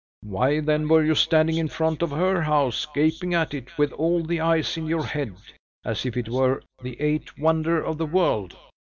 "Why, then, were you standing in front of her house, gaping at it with all the eyes in your head, as if it were the eighth wonder of the world?"